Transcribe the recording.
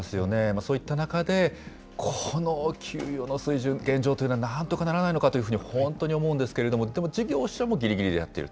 そういった中で、この給与の水準、現状というのは、なんとかならないのかというふうに、本当に思うんですけれども、でも、事業者もぎりぎりでやっている。